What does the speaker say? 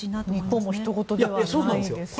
日本もひと事ではないですね。